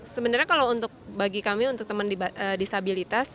sebenarnya kalau bagi kami untuk teman disabilitas